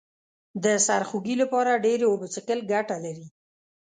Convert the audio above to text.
د سرخوږي لپاره ډیرې اوبه څښل گټه لري